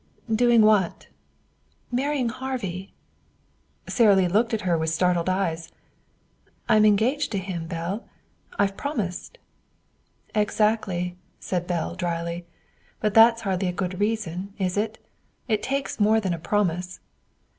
"Doing what?" "Marrying Harvey." Sara Lee looked at her with startled eyes. "I'm engaged to him, Belle. I've promised." "Exactly," said Belle dryly. "But that's hardly a good reason, is it? It takes more than a promise."